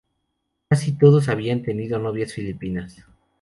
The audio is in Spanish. Casi todos habían tenido novias filipinas.